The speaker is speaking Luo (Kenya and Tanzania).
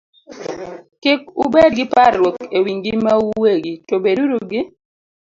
"Kik ubed gi parruok e wi ngimau uwegi, to beduru gi